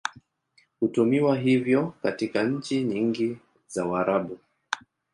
Hutumiwa hivyo katika nchi nyingi za Waarabu.